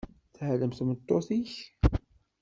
Teɛlem tmeṭṭut-ik?